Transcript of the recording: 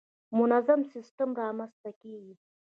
منظم سیستم رامنځته کېږي.